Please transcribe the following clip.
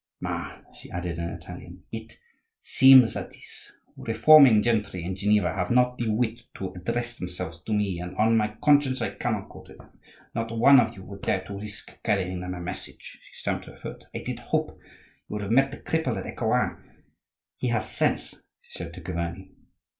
"Ma," she added in Italian, "it seems that these reforming gentry in Geneva have not the wit to address themselves to me; and, on my conscience, I cannot go to them. Not one of you would dare to risk carrying them a message!" She stamped her foot. "I did hope you would have met the cripple at Ecouen—he has sense," she said to Chiverni.